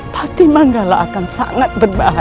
pati manggala akan sangat berbahaya